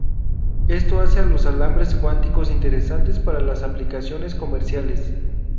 Esto hace a los alambres cuánticos interesantes para las aplicaciones comerciales.